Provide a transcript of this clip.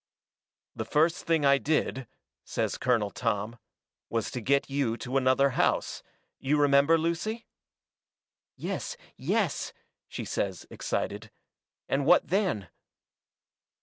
"The first thing I did," says Colonel Tom, "was to get you to another house you remember, Lucy?" "Yes, yes!" she says, excited, "and what then?"